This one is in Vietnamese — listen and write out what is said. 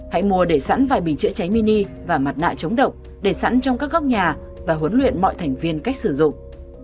hãy mua để sẵn vài bình chữa cháy mini và mặt nạ chống độc để sẵn trong các góc nhà và huấn luyện mọi thành viên cách sử dụng